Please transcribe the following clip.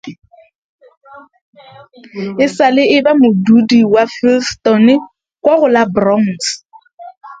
He has been a resident of Fieldston in the Bronx.